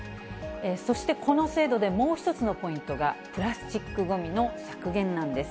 そしてこの制度でもう一つのポイントが、プラスチックごみの削減なんです。